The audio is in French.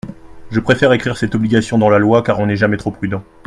Je préfère écrire cette obligation dans la loi car on n’est jamais trop prudent.